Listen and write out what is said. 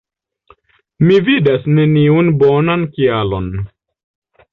Mi vidas neniun bonan kialon...